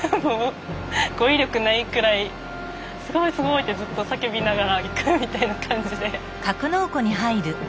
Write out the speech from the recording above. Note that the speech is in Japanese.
語彙力ないくらい「すごいすごい！」ってずっと叫びながら行くみたいな感じで。